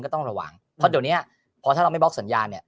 ก็ต้องระหว่างเดี๋ยวเนี้ยเพราะถ้าเราไม่บล็อกสัญญาณเนี่ย